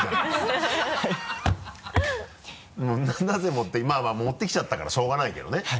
なぜ持ってまぁ持ってきちゃったからしょうがないけどね